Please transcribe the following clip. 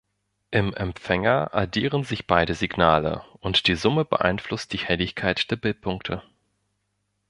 Im Empfänger addieren sich beide Signale, und die Summe beeinflusst die Helligkeit der Bildpunkte.